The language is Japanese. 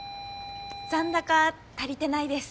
残高足りてないです。